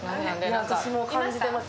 私も感じていてます。